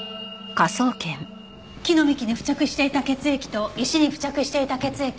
木の幹に付着していた血液と石に付着していた血液。